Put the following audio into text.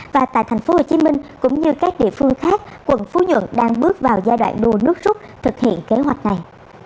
và tại tp hcm cũng như các địa phương khác quận phú nhuận đang bước vào giai đoạn đua nước rút thực hiện kế hoạch này